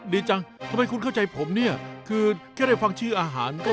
ดีจังทำไมคุณเข้าใจผมเนี่ยคือแค่ได้ฟังชื่ออาหารก็